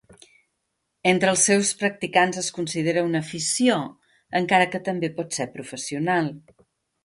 Entre els seus practicants es considera una afició, encara que també pot ser professional.